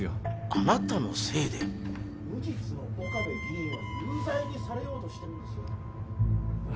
あなたのせいで無実の岡部議員は有罪にされようとしてるんですよ